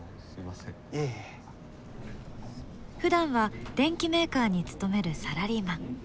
ふだんは電機メーカーに勤めるサラリーマン。